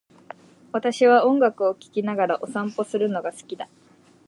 私は音楽を聴きながらお散歩をするのが好きだ。